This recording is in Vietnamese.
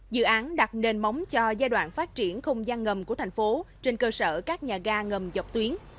dự án đặt nền móng cho giai đoạn phát triển không gian ngầm của thành phố trên cơ sở các nhà ga ngầm dọc tuyến